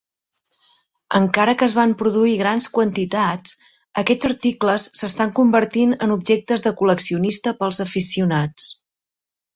Encara que es van produir grans quantitats, aquests articles s'estan convertint en objectes de col·leccionista pels aficionats.